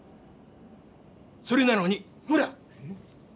それなのにほら！